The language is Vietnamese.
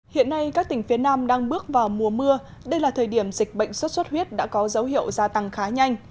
hiện nay các tỉnh phía nam đang bước vào mùa mưa đây là thời điểm dịch bệnh xuất xuất huyết đã có dấu hiệu gia tăng khá nhanh